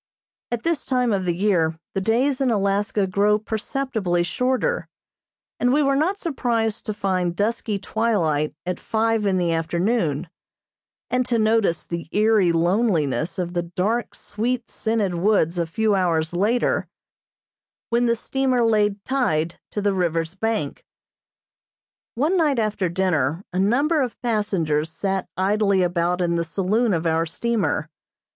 At this time of the year the days in Alaska grow perceptibly shorter, and we were not surprised to find dusky twilight at five in the afternoon, and to notice the eerie loneliness of the dark, sweet scented woods a few hours later, when the steamer lay tied to the river's bank. One night after dinner a number of passengers sat idly about in the saloon of our steamer.